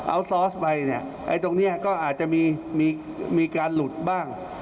เอาซอสไปเนี่ยไอ้ตรงนี้ก็อาจจะมีการหลุดบ้าง